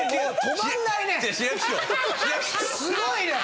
すごいね。